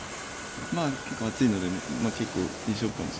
まあ結構厚いので結構いい勝負かもしれないです。